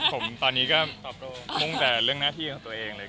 ผมตอนนี้ก็ตอบมุ่งแต่เรื่องหน้าที่ของตัวเองเลย